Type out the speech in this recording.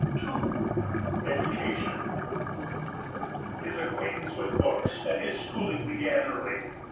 II. EDUCATION. His acquaintance with books and his schooling began early.